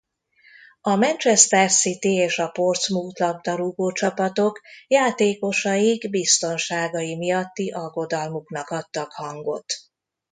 A Manchester City és a Portsmouth labdarúgó-csapatok játékosaik biztonságai miatti aggodalmuknak adtak hangot.